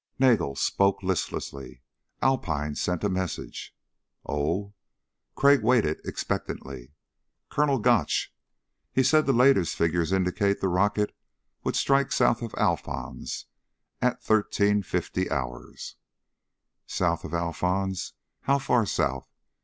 Nagel spoke listlessly. "Alpine sent a message." "Oh?" Crag waited expectantly. "Colonel Gotch. He said the latest figures indicated the rocket would strike south of Alphons at 1350 hours." South of Alphons? How far south?